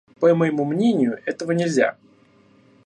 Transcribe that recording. По моему мнению, этого нельзя.